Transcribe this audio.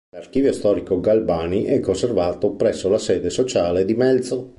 L’archivio storico Galbani è conservato presso la sede sociale di Melzo.